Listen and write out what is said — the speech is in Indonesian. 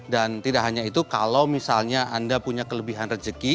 dan tidak hanya itu kalau misalnya anda punya kelebihan rezeki